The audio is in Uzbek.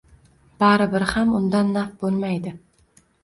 Baribir ham undan naf boʻlmaydi